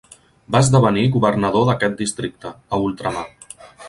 Va esdevenir Governador d'aquest districte, a Ultramar.